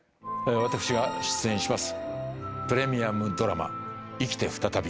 私が出演します